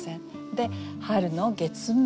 で「春の月面」。